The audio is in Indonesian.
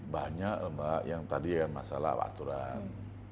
banyak mbak yang tadi yang masalah aturan